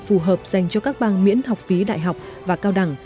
phù hợp dành cho các bang miễn học phí đại học và cao đẳng